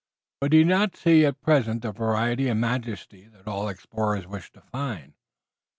But he did not see at present the variety and majesty that all explorers wish to find.